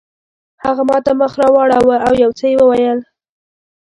هغه ماته مخ راواړاوه او یو څه یې وویل.